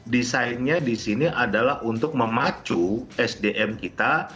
desainnya di sini adalah untuk memacu sdm kita